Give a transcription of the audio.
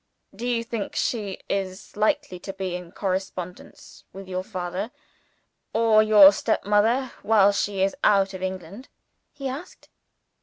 "Do you think she is likely to be in correspondence with your father, or your stepmother, while she is out of England?" he asked.